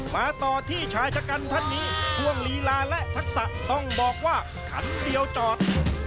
มาต่อที่ชายชะกันท่านนี้ช่วงลีลาและทักษะต้องบอกว่าขันเดียวจอด